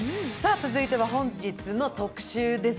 続いては本日の特集です。